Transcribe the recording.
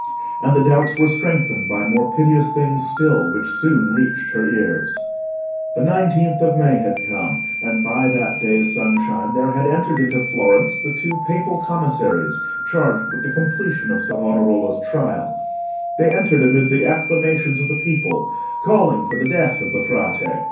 And the doubts were strengthened by more piteous things still, which soon reached her ears. The nineteenth of May had come, and by that day's sunshine there had entered into Florence the two Papal Commissaries, charged with the completion of Savonarola's trial. They entered amid the acclamations of the people, calling for the death of the Frate.